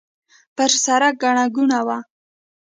پر سړک ګڼه ګوڼه وه.